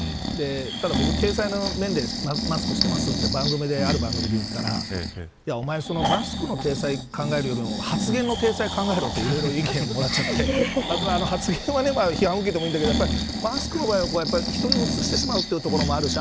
ただ僕、体裁の面でマスクしてますってある番組で言ったらおまえマスクの体裁を考えるよりも発言の体裁を考えろという意見もらっちゃって発言を批判を受けてもいいんだけどマスクの場合は人にうつしてしまうところもあるし